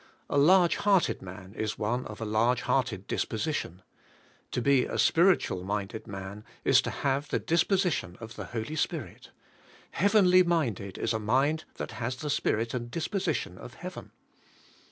A iarg e hearted man is one of a large hearted disposition. To be a spiritual minded man is to have the disposition of the Holy Spirit; heav enly minded is a mind that has the spirit and dis position of heaven.